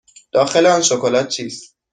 داخل آن شکلات چیست؟